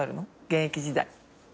現役時代。